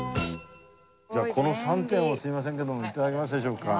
じゃあこの３点をすみませんけども頂けますでしょうか？